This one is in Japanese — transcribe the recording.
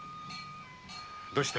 どうした？